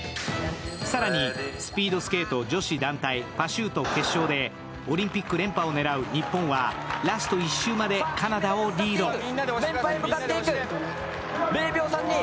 更に、スピードスケート女子団体パシュート決勝でオリンピック連覇を狙う日本はラスト１周までカナダをリード。